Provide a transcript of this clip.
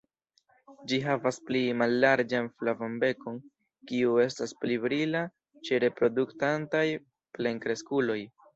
Ĝi havas pli mallarĝan flavan bekon, kiu estas pli brila ĉe reproduktantaj plenkreskuloj.